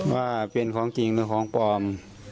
ว่าเป็นของจริงหรือของปลอม